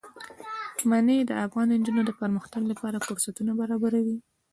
منی د افغان نجونو د پرمختګ لپاره فرصتونه برابروي.